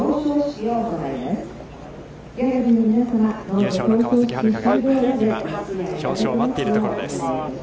優勝の川崎春花が、今、表彰を待っているところです。